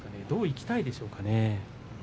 どういきたいでしょうか。